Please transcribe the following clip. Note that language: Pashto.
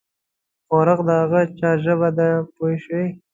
ښورښ د هغه چا ژبه ده پوه شوې!.